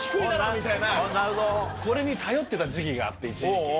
みたいなこれに頼ってた時期があって一時期。